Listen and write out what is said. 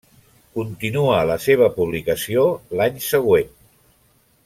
Continua la seva publicació l'any següent.